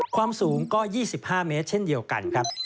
ความสูงก็๒๕เมตรเช่นเดียวกันครับ